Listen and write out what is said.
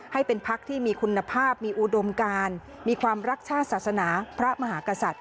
ให้เป็นพักที่มีคุณภาพมีอุดมการมีความรักชาติศาสนาพระมหากษัตริย